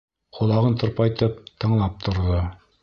Ҡолағын тырпайтып тыңлап торҙо.